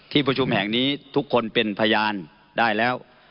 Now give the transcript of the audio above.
ประชุมแห่งนี้ทุกคนเป็นพยานได้แล้ว